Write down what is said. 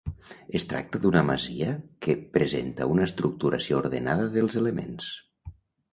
Es tracta d'una masia que presenta una estructuració ordenada dels elements.